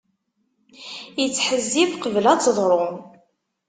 Ittḥezzib qebl ad teḍru.